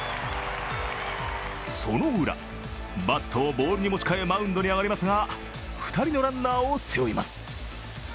そのウラ、バットをボールに持ち替えマウンドに上がりますが２人のランナーを背負います。